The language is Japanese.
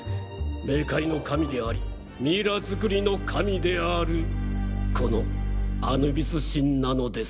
冥界の神でありミイラ作りの神であるこのアヌビス神なのです。